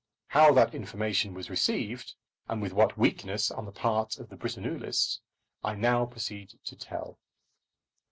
How that information was received, and with what weakness on the part of the Britannulists, I now proceed to tell.